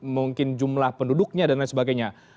mungkin jumlah penduduknya dan lain sebagainya